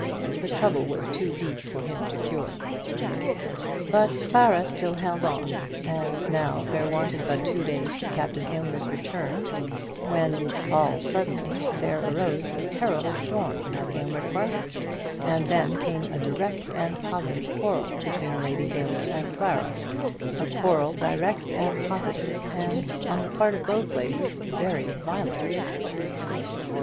The trouble was too deep for him to cure. But Clara still held on; and now there wanted but two days to Captain Aylmer's return, when, all suddenly, there arose a terrible storm at Aylmer Park, and then came a direct and positive quarrel between Lady Aylmer and Clara, a quarrel direct and positive, and, on the part of both ladies, very violent.